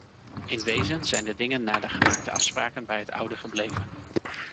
In wezen zijn de dingen na de gemaakte afspraken bij het oude gebleven.